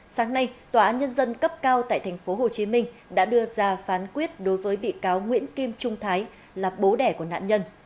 sáng nay tòa án nhân dân cấp cao tại tp hcm đã đưa ra phán quyết đối với bị cáo nguyễn kim trung thái là bố đẻ của nạn nhân